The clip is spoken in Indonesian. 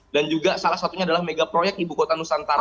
dan juga salah satunya adalah megaproyek ibu kota nusantara